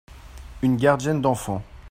une gardienne d'enfants.